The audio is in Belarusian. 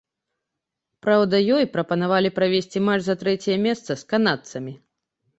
Праўда, ёй прапанавалі правесці матч за трэцяе месца з канадцамі.